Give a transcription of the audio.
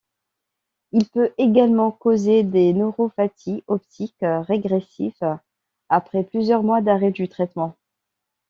Il peut également causer des neuropathies optiques régressives après plusieurs mois d'arrêt du traitement.